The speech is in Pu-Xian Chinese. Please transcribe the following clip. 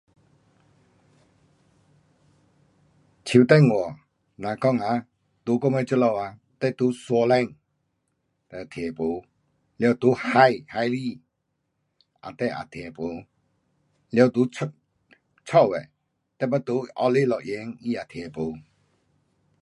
手电话若讲哈在我们这里啊，你在山顶听没。了在海，海里啊你也听没。了在出，家的，你要在下里乐园，他有听没。